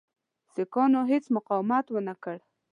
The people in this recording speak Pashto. سیکهانو هیڅ مقاومت ونه کړ.